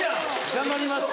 頑張ります。